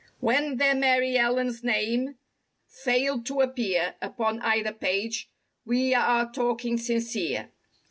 139 When their Mary Ellen's name failed to appear Upon either page. We are talking sincere.